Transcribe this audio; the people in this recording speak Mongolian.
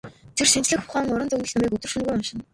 Тэр шинжлэх ухааны уран зөгнөлт номыг өдөр шөнөгүй уншина.